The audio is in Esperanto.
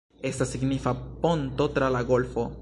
Estas signifa ponto tra la golfo.